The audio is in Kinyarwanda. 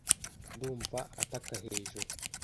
ndumva ataka hejuru